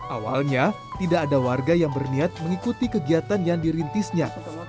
awalnya tidak ada warga yang berniat mengikuti kegiatan yang dirintisnya